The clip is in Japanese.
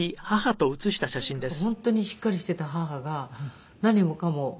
とにかく本当にしっかりしていた母が何もかも。